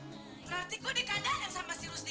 berarti gue dikandalkan sama si rusti